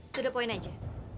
sudah poin aja